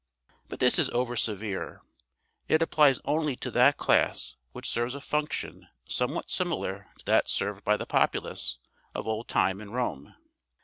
But this is over severe. It applies only to that class which serves a function somewhat similar to that served by the populace of old time in Rome.